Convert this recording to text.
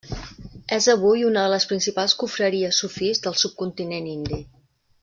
És avui una de les principals confraries sufís del subcontinent indi.